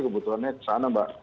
kebutuhannya kesana mbak